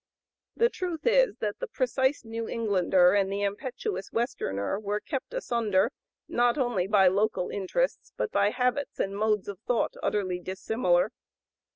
The truth is, that the precise New Englander and the impetuous Westerner were kept asunder not only by local interests but by habits and modes of thought utterly dissimilar.